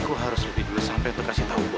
aku harus lebih dulu sampe berkasih tau boy